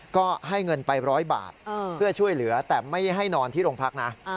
ก็ให้เงินไป๑๐๐บาทเพื่อช่วยเหลือแต่ไม่ให้นอนที่โรงพักนะ